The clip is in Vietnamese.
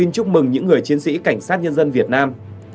chúc mừng những người chiến sĩ cảnh sát nhân dân việt nam